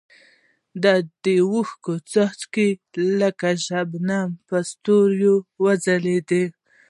د اوښکو څاڅکي یې لکه شبنمي ستوري وځلېدل.